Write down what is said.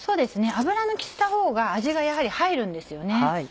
油抜きしたほうが味がやはり入るんですよね。